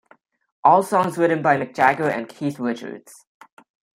All songs written by Mick Jagger and Keith Richards.